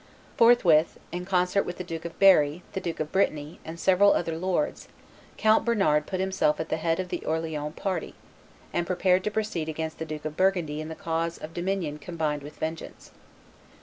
Forthwith, in concert with the Duke of Berry, the Duke of Brittany, and several other lords, Count Bernard put himself at the head of the Orleans party, and prepared to proceed against the Duke of Burgundy in the cause of dominion combined with vengeance.